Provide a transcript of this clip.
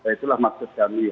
itulah maksud kami